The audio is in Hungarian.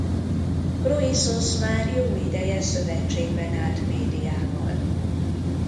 Kroiszosz már jó ideje szövetségben állt Médiával.